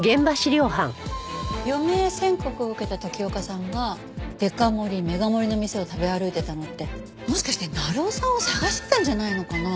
余命宣告を受けた時岡さんがデカ盛りメガ盛りの店を食べ歩いてたのってもしかして鳴尾さんを捜してたんじゃないのかな？